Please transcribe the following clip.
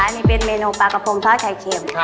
นี่เป็นเมนูปลากระพงทอดไข่เค็ม